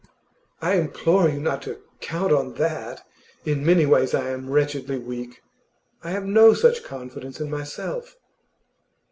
'I implore you not to count on that! In many ways I am wretchedly weak. I have no such confidence in myself.